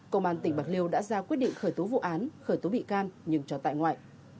công an tỉnh bạc liêu đã ra quyết định khởi tố vụ án khởi tố bị can nhưng cho tại ngoại